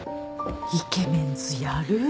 イケメンズやる！